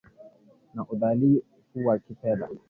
na uhalifu wa kifedha